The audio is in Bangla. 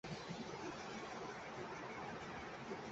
তাতেই প্রশ্নটার তখনই নিষ্পত্তি হয়ে গেল।